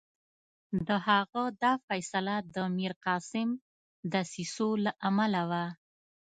د هغه دا فیصله د میرقاسم دسیسو له امله وه.